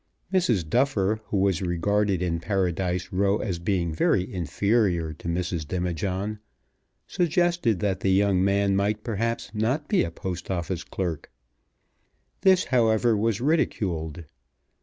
Mrs. Duffer, who was regarded in Paradise Row as being very inferior to Mrs. Demijohn, suggested that the young man might, perhaps, not be a Post Office clerk. This, however, was ridiculed.